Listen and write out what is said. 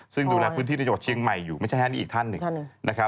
ซึ่งดูแลพื้นที่ในจังหวัดเชียงใหม่อยู่ไม่ใช่แค่นี้อีกท่านหนึ่งนะครับ